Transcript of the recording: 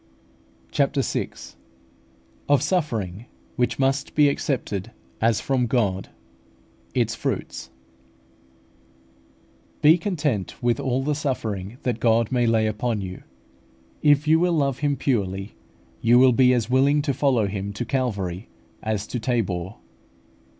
CHAPTER VI. OF SUFFERING WHICH MUST BE ACCEPTED AS FROM GOD ITS FRUITS. Be content with all the suffering that God may lay upon you. If you will love Him purely, you will be as willing to follow Him to Calvary as to Tabor.